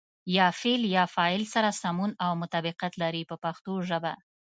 یا فعل له فاعل سره سمون او مطابقت لري په پښتو ژبه.